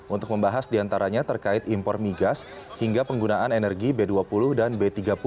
untuk membahas diantaranya terkait impor migas hingga penggunaan energi b dua puluh dan b tiga puluh